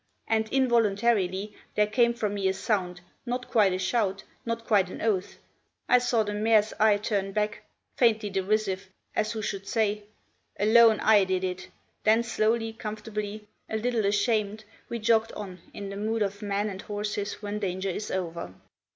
And involuntarily there came from me a sound, not quite a shout, not quite an oath. I saw the mare's eye turn back, faintly derisive, as who should say: Alone I did it! Then slowly, comfortably, a little ashamed, we jogged on, in the mood of men and horses when danger is over.